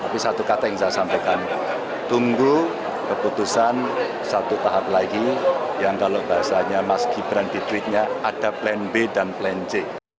tapi satu kata yang saya sampaikan tunggu keputusan satu tahap lagi yang kalau bahasanya mas gibran di tweetnya ada plan b dan plan c